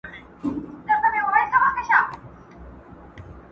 د خوارانو لاس به درسي تر ګرېوانه!!